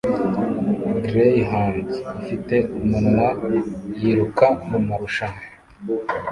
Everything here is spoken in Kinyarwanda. Greyhound ifite umunwa yiruka mumarushanwa